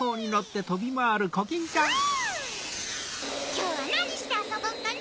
きょうはなにしてあそぼっかな！